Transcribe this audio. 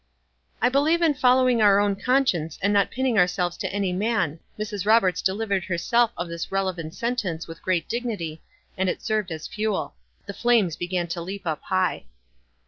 "I believe in following our own conscience, and not pinning ourselves to any man." Mrs. Roberts delivered herself of this relevant sen tence with great dignity, and it served as fuel. The flames began to leap up high.